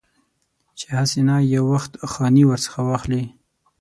چې هسې نه یو وخت خاني ورڅخه واخلي.